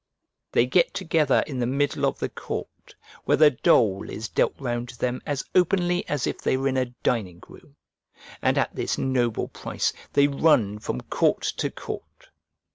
They get together in the middle of the court, where the dole is dealt round to them as openly as if they were in a dining room: and at this noble price they run from court to court.